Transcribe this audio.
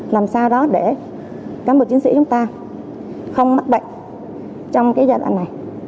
làm sao đó để cán bộ chiến sĩ chúng ta không mắc bệnh trong cái giai đoạn này